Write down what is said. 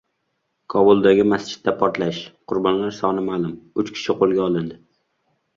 Kobuldagi masjidda portlash: qurbonlar soni ma’lum. Uch kishi qo‘lga olindi